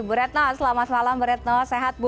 bu retno selamat malam bu retno sehat bu